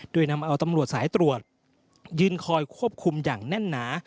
โดยนำเอาตำรวจสายตรวจยืนคอยควบคุมอย่างแน่นหนา